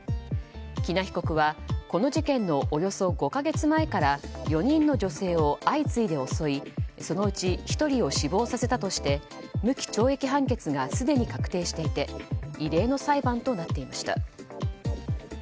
喜納被告はこの事件のおよそ５か月前から４人の女性を相次いで襲い、その内１人を死亡させたとして無期懲役判決がすでに確定していて異例の裁判となっていました。